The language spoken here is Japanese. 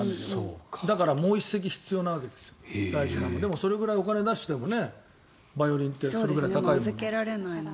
だからもう１席必要なわけですでもそれぐらいお金を出してもバイオリンってそれぐらい高いので。